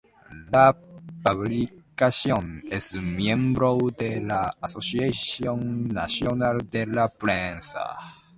La publicación es miembro de la Asociación Nacional de la Prensa.